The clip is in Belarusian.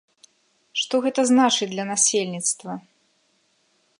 Што гэта значыць для насельніцтва?